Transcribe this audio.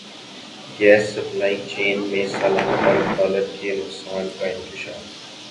gas supply chain میں سالانہ ارب ڈالر کے نقصان کا انکشاف